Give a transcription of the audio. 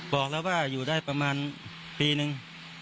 บอกแล้วว่าอยู่ได้ประมาณปีนึง